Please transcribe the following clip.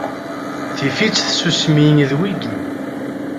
Tifi-tt tsusmi d wigi.